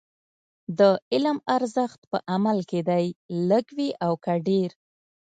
د علم ارزښت په عمل کې دی، لږ وي او که ډېر.